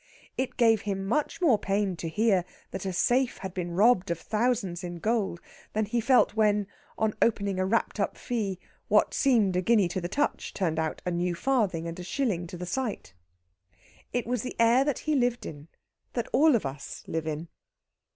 It gave him much more pain to hear that a safe had been robbed of thousands in gold than he felt when, on opening a wrapped up fee, what seemed a guinea to the touch turned out a new farthing and a shilling to the sight. It was in the air that he lived in that all of us live in.